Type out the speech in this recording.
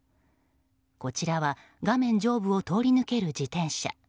こちらは画面上部を通り抜ける自転車。